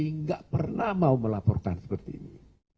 tidak pernah mau melaporkan seperti ini